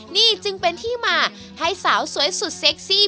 นี่จึงเป็นที่มาให้สาวสวยสุดเซ็กซี่